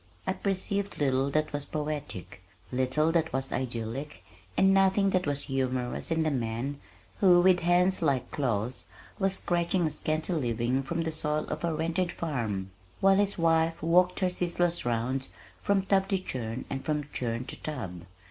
I perceived little that was poetic, little that was idyllic, and nothing that was humorous in the man, who, with hands like claws, was scratching a scanty living from the soil of a rented farm, while his wife walked her ceaseless round from tub to churn and from churn to tub.